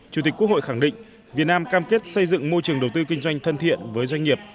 chủ tịch quốc hội khẳng định việt nam cam kết xây dựng môi trường đầu tư kinh doanh thân thiện với doanh nghiệp